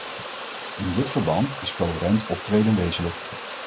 In dit verband is coherent optreden wezenlijk.